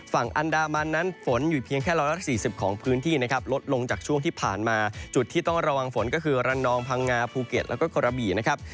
ฝั่งอันดามันนั้นฝนอยู่เพียงแค่๑๔๐ของพื้นที่นะครับลดลงจากช่วงที่ผ่านมาจุดที่ต้องระวังฝนก็คือระนองพังงาภูเก็ตแล้วก็กระบี่นะครับ